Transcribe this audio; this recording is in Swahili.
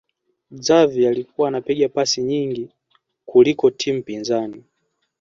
Xavi alikuwa anapiga pasi nyingi kuliko timu pinzani